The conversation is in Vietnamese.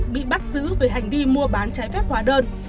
bị bắt giữ về hành vi mua bán trái phép hóa đơn